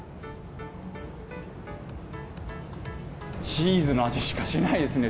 チーズの味しかしないですね。